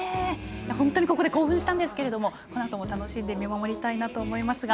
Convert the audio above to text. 本当に、ここで興奮したんですけれどもこのあとも楽しんで見守りたいと思いますが。